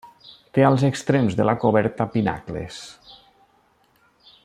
Té als extrems de la coberta pinacles.